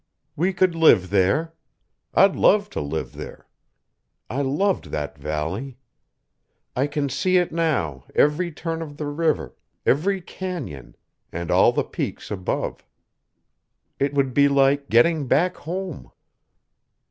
"We could live there. I'd love to live there. I loved that valley. I can see it now, every turn of the river, every canyon, and all the peaks above. It would be like getting back home."